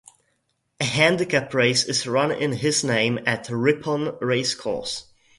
A handicap race is run in his name at Ripon Racecourse.